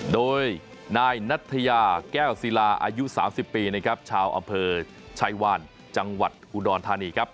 โดยนายนัทยาแก้วศิลาอายุ๓๐ปีนะครับชาวอำเภอชายวานจังหวัดอุดรธานีครับ